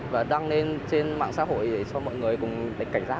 và đăng lên trên mạng xã hội để cho mọi người cùng phải cảnh giác